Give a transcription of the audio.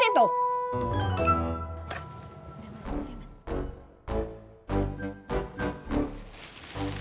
dek masuk dulu kemet